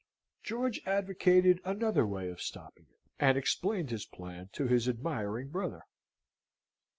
George advocated another way of stopping it, and explained his plan to his admiring brother.